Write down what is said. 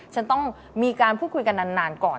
ฉันต้องมีการพูดคุยกันนานก่อน